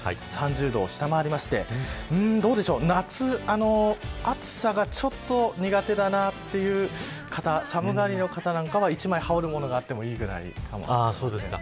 ３０度を下回りまして、どうでしょう夏の暑さがちょっと苦手だなという方寒がりの方は、１枚羽織るものがあってもいいかもしれません。